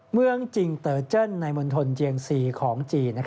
เมืองจิงเตอร์เจิ้นในมณฑลเจียงซีของจีน